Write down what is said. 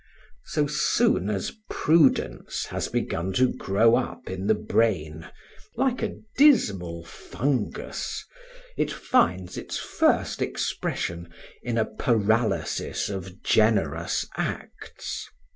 So soon as prudence has begun to grow up in the brain, like a dismal fungus, it finds its first expression in a paralysis of generous acts.